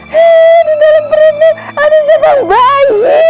hee di dalam perutmu ada jempol bayi